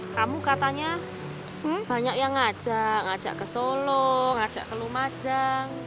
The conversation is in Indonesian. kamu katanya banyak yang ngajak ngajak ke solo ngajak ke lumajang